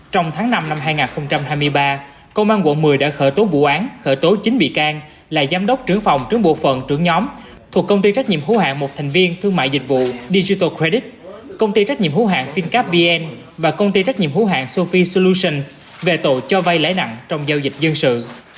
trong tháng năm năm hai nghìn hai mươi ba công an quận một mươi đã khởi tố vụ án khởi tố chín bị can là giám đốc trưởng phòng trưởng bộ phận trưởng nhóm thuộc công ty trách nhiệm hữu hạng một thành viên thương mại dịch vụ digital credit công ty trách nhiệm hữu hạng fincap vn và công ty trách nhiệm hữu hạng sophie solutions về tội cho vay lãi nặng trong giao dịch dân sự